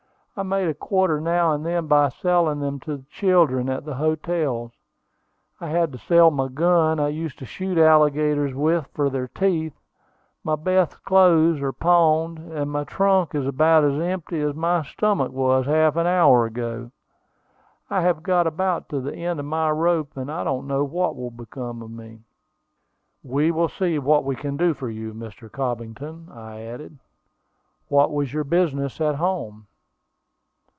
I make a quarter now and then by selling them to the children at the hotels. I had to sell my gun I used to shoot alligators with for their teeth; my best clothes are pawned; and my trunk is about as empty as my stomach was half an hour ago. I have got about to the end of my rope; and I don't know what will become of me." "We will see what we can do for you, Mr. Cobbington," I added. "What was your business at home?"